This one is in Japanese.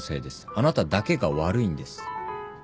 あなただけが悪いんです。